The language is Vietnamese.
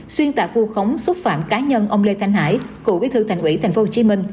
xuyên tạp vô khống xúc phạm cá nhân ông lê thanh hải cựu bí thư thành ủy tp hcm